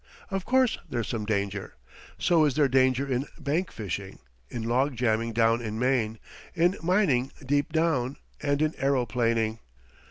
Of course, there's some danger. So is there danger in bank fishing, in log jamming down in Maine, in mining deep down, and in aeroplaning.